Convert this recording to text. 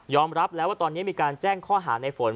รับแล้วว่าตอนนี้มีการแจ้งข้อหาในฝน